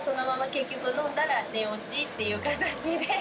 結局飲んだら寝落ちっていう形で。